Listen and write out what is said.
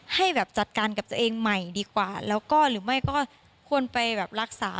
ให้แบบจัดการกับตัวเองใหม่ดีกว่าแล้วก็หรือไม่ก็ควรไปแบบรักษา